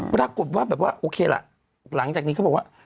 พอรับกชนว่าโอเคละหลังจากนี้เขาบอกว่า